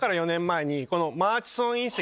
マーチソン隕石